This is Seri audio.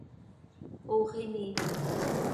Ox imii.